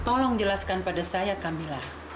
tolong jelaskan pada saya camilla